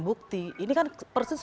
bukti ini kan persis